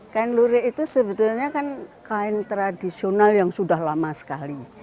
kain lurik itu sebetulnya kan kain tradisional yang sudah lama sekali